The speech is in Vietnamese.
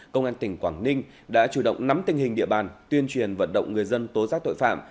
công an tỉnh quảng ninh đã chủ động nắm tình hình địa bàn tuyên truyền vận động người dân tố giác tội phạm